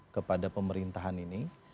kepada pemerintahan ini